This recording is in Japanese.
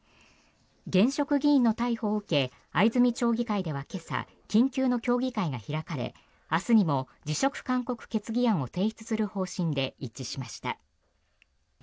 現職議員の逮捕を受け藍住町議会では今朝緊急の協議会が開かれ明日にも辞職勧告決議案を提出する方針で一致しました。